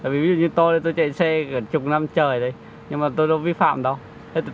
ví dụ như tôi tôi chạy xe chục năm trời đây nhưng mà tôi đâu vi phạm đâu